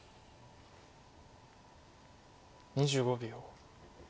２５秒。